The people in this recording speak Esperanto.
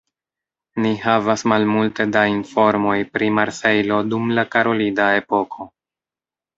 Ni havas malmulte da informoj pri Marsejlo dum la karolida epoko.